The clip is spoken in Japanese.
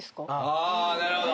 あなるほど。